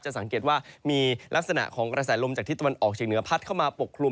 สังเกตว่ามีลักษณะของกระแสลมจากที่ตะวันออกเฉียงเหนือพัดเข้ามาปกคลุม